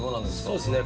そうですね